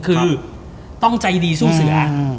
คือต้องใจดีสู้เสือ